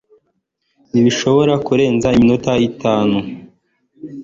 ntibishobora kurenza iminota itanu